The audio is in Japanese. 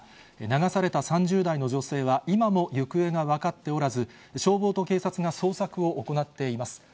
流された３０代の女性は今も行方が分かっておらず、消防と警察が捜索を行っています。